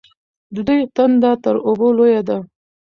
د دوی تنده تر اوبو لویه وه.